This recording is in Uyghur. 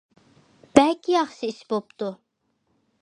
بەك ياخشى ئىش بوپتۇ.